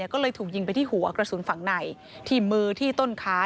ก็เลยถูกยิงไปที่หัวกระสุนฝั่งในที่มือที่ต้นขา